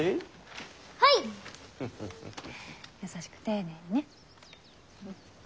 優しく丁寧にね。